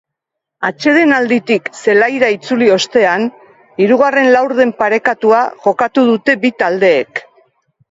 Atsedenalditik zelaira itzuli ostean, hirugarren laurden parekatua jokatu dute bi taldeek.